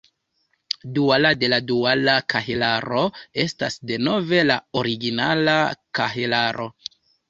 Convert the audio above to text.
Duala de la duala kahelaro estas denove la originala kahelaro.